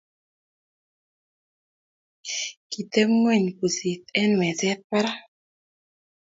kitemweny pusi eng meset barak